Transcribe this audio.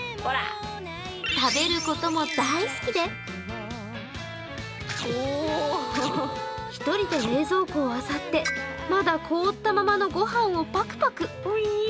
食べることも大好きで１人で冷蔵庫をあさってまだ凍ったままのご飯をパクパク。